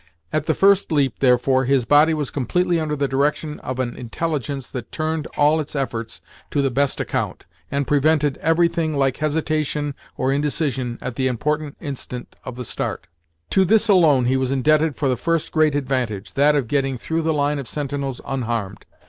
At the first leap, therefore, his body was completely under the direction of an intelligence that turned all its efforts to the best account, and prevented everything like hesitation or indecision at the important instant of the start. To this alone was he indebted for the first great advantage, that of getting through the line of sentinels unharmed.